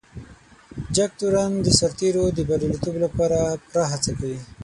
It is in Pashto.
جګتورن د سرتیرو د بريالیتوب لپاره پوره هڅه کوي.